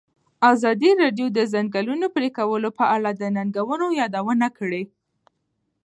ازادي راډیو د د ځنګلونو پرېکول په اړه د ننګونو یادونه کړې.